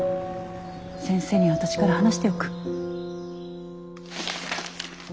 先生には私から話しておく。